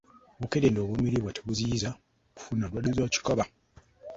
Obukerenda obumiribwa tebuziyiza kufuna ndwadde za kikaba.